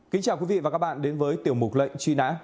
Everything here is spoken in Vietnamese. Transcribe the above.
kính chào quý vị và các bạn đến với tiểu mục lệnh truy nã